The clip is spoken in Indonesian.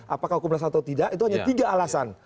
apakah hukumnya salah atau tidak itu hanya tiga alasan